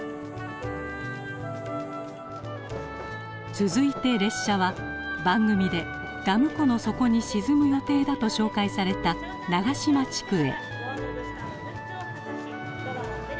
続いて列車は番組でダム湖の底に沈む予定だと紹介された長島地区へ。